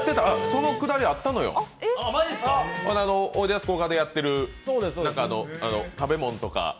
そのくだりあったよ、おいでやすこがでやってる食べ物とか。